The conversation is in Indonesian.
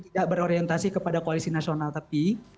tidak berorientasi kepada koalisi nasional tapi